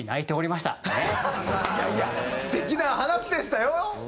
いやいや素敵な話でしたよ。